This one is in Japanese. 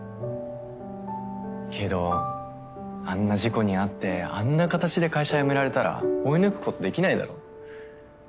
けどあんな事故に遭ってあんな形で会社辞められたら追い抜くことできないだろ？